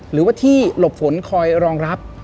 หรือว่าที่หลบฝนคอยรองรับ